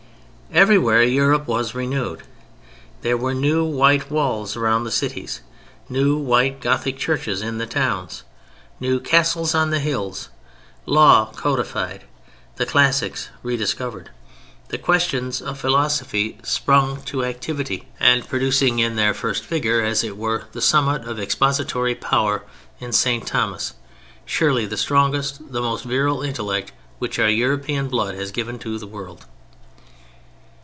Everywhere Europe was renewed; there were new white walls around the cities, new white Gothic churches in the towns, new castles on the hills, law codified, the classics rediscovered, the questions of philosophy sprung to activity and producing in their first vigor, as it were, the summit of expository power in St. Thomas, surely the strongest, the most virile, intellect which our European blood has given to the world.